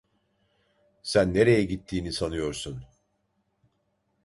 Sen nereye gittiğini sanıyorsun?